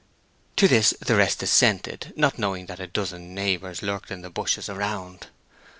To this the rest assented, not knowing that a dozen neighbors lurked in the bushes around.